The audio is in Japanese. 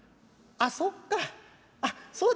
あっそうか